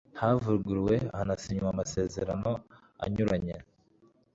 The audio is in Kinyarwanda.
havuguruwe hanasinywa amasezerano anyuranye